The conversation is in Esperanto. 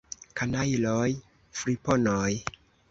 Kanajloj, friponoj!